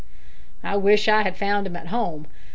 "I wish I had found him at home.